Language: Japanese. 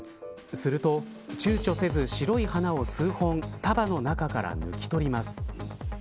すると、ちゅうちょせず白い花を数本束の中から抜き取ります。